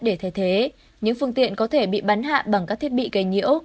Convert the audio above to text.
để thay thế những phương tiện có thể bị bắn hạ bằng các thiết bị gây nhiễu